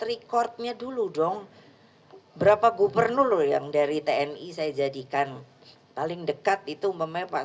recordnya dulu dong berapa gubernur yang dari tni saya jadikan paling dekat itu umpamanya pak